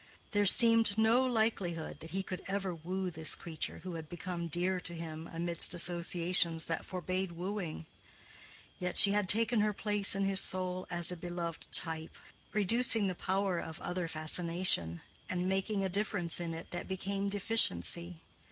There seemed no likelihood that he could ever woo this creature who had become dear to him amidst associations that forbade wooing; yet she had taken her place in his soul as a beloved type—reducing the power of other fascination and making a difference in it that became deficiency.